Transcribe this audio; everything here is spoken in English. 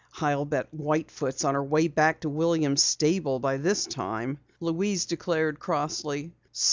"I'll bet White Foot's on her way back to Williams' Stable by this time," Louise declared crossly.